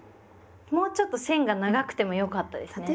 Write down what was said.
もうちょっと線が長くてもよかったですね。